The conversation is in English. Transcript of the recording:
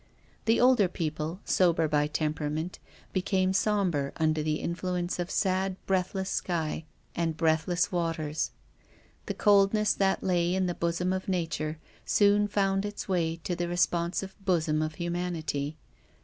The older people, sober by temperament, became sombre under the influence of sad, breathless sky, and breathless waters. The coldness that lay in the bosom of nature soon found its way to the re sponsive bosom of humanity.